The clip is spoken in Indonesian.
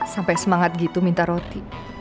sampai semangat gitu minta roti